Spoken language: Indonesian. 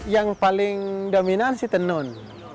yang paling dominan sih tenun